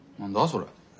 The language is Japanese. それ。